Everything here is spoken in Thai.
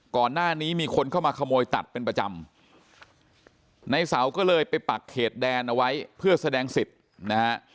ก่อนหน้านี้มีคนเข้ามาขโมยตัดเป็นประจำในเสาก็เลยไปปักเขตแดนเอาไว้เพื่อแสดงสิทธิ์นะฮะ